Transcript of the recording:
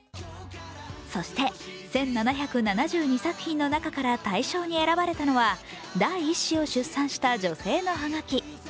そして１７７２作品の中から大賞に選ばれたのは第１子を出産した女性のハガキ。